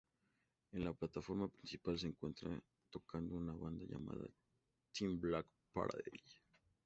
En la plataforma principal se encuentra tocando una banda llamada The Black Parade.